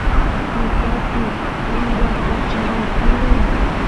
tutapi wyrakachanay tiyan